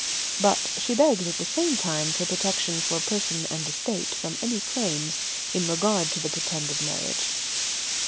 But she begs at the same time for protection for person and estate from any claims in regard to the pretended marriage.